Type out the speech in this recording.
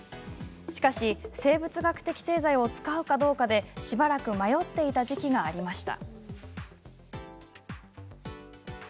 しかし、生物学的製剤を使うかどうかで、しばらく迷っていた時期がありました。